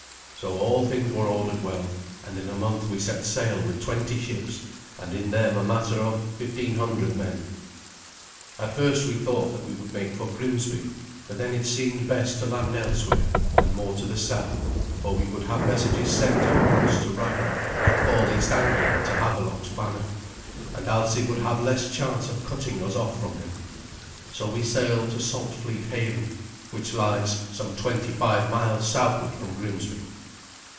So all things were ordered well, and in a month we set sail with twenty ships, and in them a matter of fifteen hundred men. At first we thought that we would make for Grimsby; but then it seemed best to land elsewhere, and more to the south, for we would have messages sent at once to Ragnar to call East Anglia to Havelok's banner, and Alsi would have less chance of cutting us off from him. So we sailed to Saltfleet haven, which lies some twenty five miles southward from Grimsby.